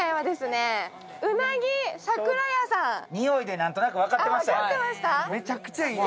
匂いで何となく分かってましたよ。